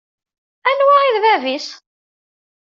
Anwa i d bab-is?